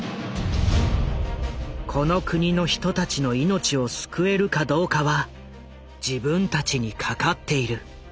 この国の人たちの命を救えるかどうかは自分たちにかかっている。